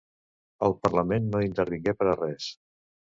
El Parlament no intervé per a res.